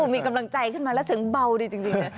มีกำลังใจขึ้นมาแล้วเสียงเบาดีจริงนะ